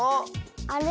あれ？